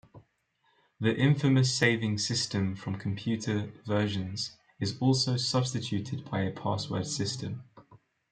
The infamous saving system from computer versions is also substituted by a password system.